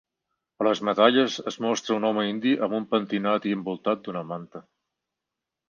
A les medalles es mostra un home indi amb un pentinat i envoltat d'una manta.